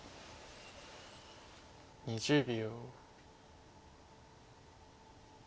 ２０秒。